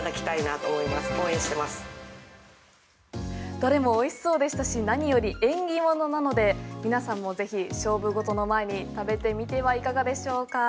どれも美味しそうでしたし何より縁起物なので皆さんもぜひ勝負ごとの前に食べてみてはいかがでしょうか？